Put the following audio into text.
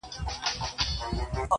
ستا سترگو كي بيا مرۍ، مرۍ اوښـكي.